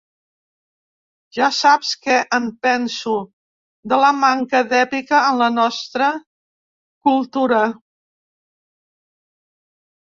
Ja saps què en penso, de la manca d'èpica en la nostra cultura!